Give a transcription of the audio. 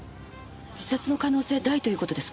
自殺の可能性大という事ですか？